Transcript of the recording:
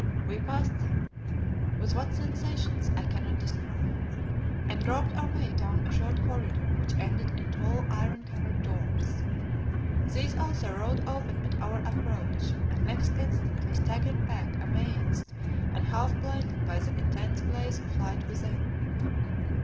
We passed them with what sensations I cannot describe and groped our way down a short corridor which ended in tall, iron covered doors. These also rolled open at our approach, and next instant we staggered back amazed and half blinded by the intense blaze of light within.